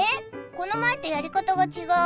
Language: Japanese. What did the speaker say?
この前とやり方が違う